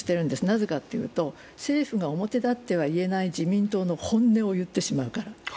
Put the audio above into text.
なぜかというと政府が表立っては言えない自民党の本音を言ってしまうから。